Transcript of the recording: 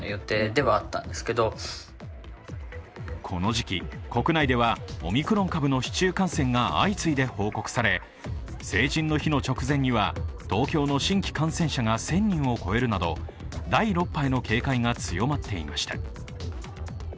この時期、国内ではオミクロン株の市中感染が相次いで報告され、成人の日の直前には東京の新規感染者が１０００人を超えるなど第６波への警戒が強まっていました